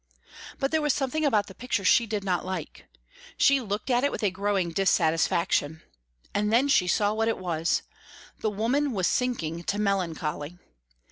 But there was something about the picture she did not like. She looked at it with a growing dissatisfaction. And then she saw what it was. The woman was sinking to melancholy.